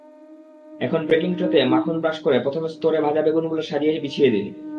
এখন বেকিং ট্রেতে মাখন ব্রাশ করে প্রথম স্তরে ভাজা বেগুনগুলো সাজিয়ে বিছিয়ে দিন।